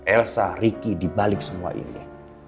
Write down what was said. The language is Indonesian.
elsa ricky dibalik semua ini